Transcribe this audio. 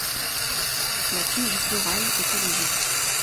La tige florale est érigée.